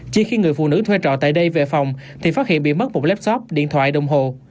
chỉ khi người phụ nữ thuê trọ tại đây về phòng thì phát hiện bị mất một lapsop điện thoại đồng hồ